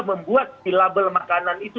membuat label makanan itu